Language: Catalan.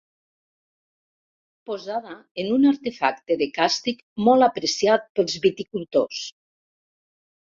Posada en un artefacte de càstig molt apreciat pels viticultors.